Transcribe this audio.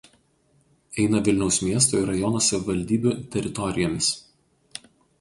Eina Vilniaus miesto ir rajono savivaldybių teritorijomis.